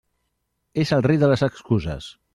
És el rei de les excuses.